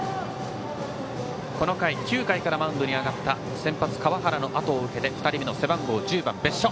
この回、９回からマウンドに上がった先発、川原のあとを受けて２人目の背番号１０番、別所。